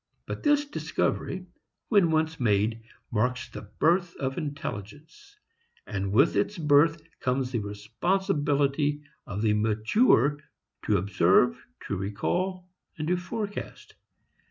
But this discovery when once made marks the birth of intelligence; and with its birth comes the responsibility of the mature to observe, to recall, to forecast.